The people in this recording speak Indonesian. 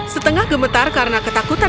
setengah gemetar karena ketakutan